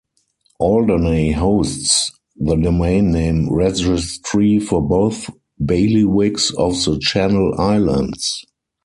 Alderney hosts the domain name registry for both bailiwicks of the Channel Islands.